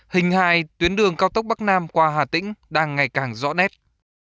hình hài tuyến đường cao tốc bắc nam qua hà tĩnh đang ngày càng rõ nét